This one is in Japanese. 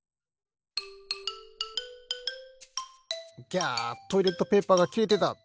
ギャトイレットペーパーがきれてた！